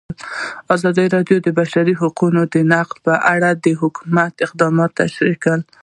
ازادي راډیو د د بشري حقونو نقض په اړه د حکومت اقدامات تشریح کړي.